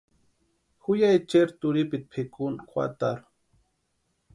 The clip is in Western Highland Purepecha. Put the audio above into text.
Ju ya echeri turhipiti pʼikuni juatarhu.